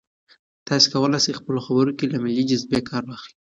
تاسي کولای شئ په خپلو خبرو کې له ملي جذبې کار واخلئ.